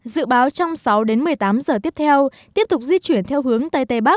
dự báo trong sáu đến một mươi tám giờ tiếp theo tiếp tục di chuyển theo hướng tây tây bắc